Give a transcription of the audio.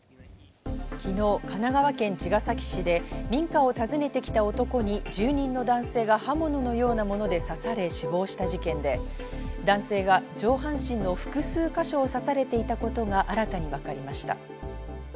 昨日、神奈川県茅ヶ崎市で民家を訪ねてきた男に住人の男性が刃物のようなもので刺され死亡した事件で、男性が上半身の複数か所を刺されていたことが新たに分かりました。